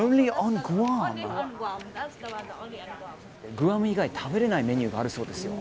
グアム以外食べれないメニューがあるそうです。